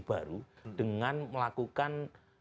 baru dengan melakukan